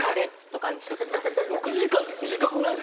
６時間って短くない？